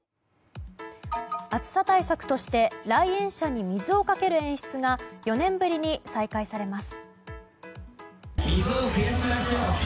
暑さ対策として来園者に水をかける演出が４年ぶりに再開されます。